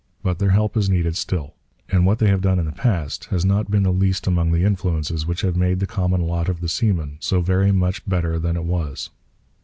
But their help is needed still; and what they have done in the past has not been the least among the influences which have made the common lot of the seaman so very much better than it was.